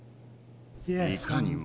いかにも。